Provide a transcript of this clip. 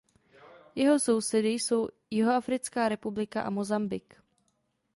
Jeho sousedy jsou Jihoafrická republika a Mosambik.